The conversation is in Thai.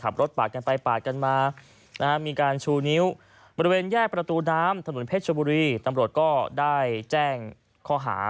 บริเวณแยกประตูน้ำถนนเพชรบุรีตำรวจก็ได้แจ้งข้อหา